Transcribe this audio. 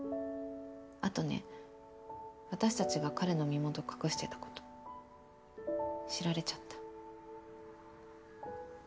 あとね私たちが彼の身元隠してた事知られちゃった。